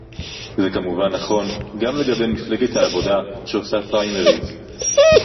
זה כמובן נכון גם לגבי מפלגת העבודה שעושה פריימריס